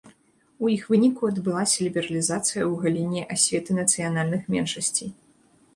У іх выніку адбылася лібералізацыя ў галіне асветы нацыянальных меншасцей.